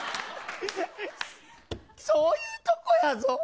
そういうとこやぞ。